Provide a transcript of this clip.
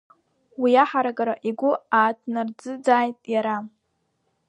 Уи аҳаракыра игәы ааҭнарӡыӡааит иара.